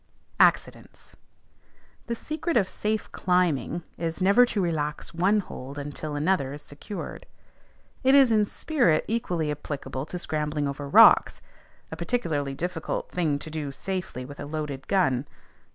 "] ACCIDENTS. The secret of safe climbing is never to relax one hold until another is secured; it is in spirit equally applicable to scrambling over rocks, a particularly difficult thing to do safely with a loaded gun.